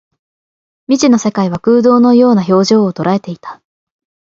未知の世界は空洞の様々な表情を捉えていた